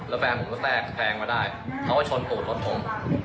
แล้วแฟนผมก็สแปนซะแล้วมางี้เค้าก็ชนกลุ่มรถผม